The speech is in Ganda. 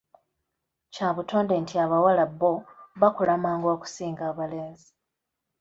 Kya butonde nti abawala bo bakula mangu okusinga abalenzi.